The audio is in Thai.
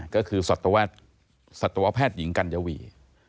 ก็คือสัตวแพทย์หญิงกัญญวี